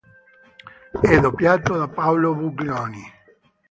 È doppiato da Paolo Buglioni.